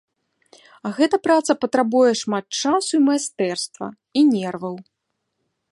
А гэта праца патрабуе шмат часу і майстэрства, і нерваў.